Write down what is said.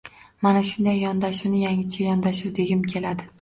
Mana shunday yondashuvni yangicha yondashuv degim keladi.